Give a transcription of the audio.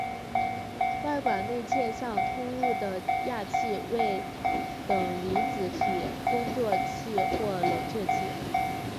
外管内切向通入的氩气为等离子体工作气或冷却气。